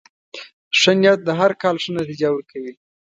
ښه نیت د هر کار ښه نتیجه ورکوي.